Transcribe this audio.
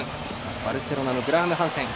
バルセロナのグラハムハンセン。